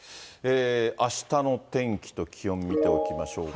あしたの天気と気温、見ておきましょうか。